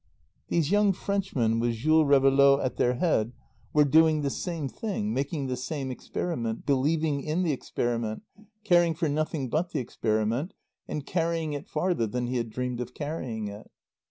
These young Frenchmen, with Jules Réveillaud at their head, were doing the same thing, making the same experiment, believing in the experiment, caring for nothing but the experiment, and carrying it farther than he had dreamed of carrying it.